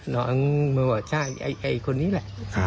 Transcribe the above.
น้องมาบอกใช่ไอ้คนนี้แหละ